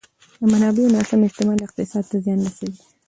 د منابعو ناسم استعمال اقتصاد ته زیان رسوي.